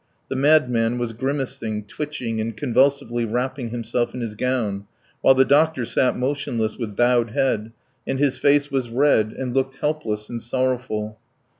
The madman was grimacing, twitching, and convulsively wrapping himself in his gown, while the doctor sat motionless with bowed head, and his face was red and look helpless and sorrowful.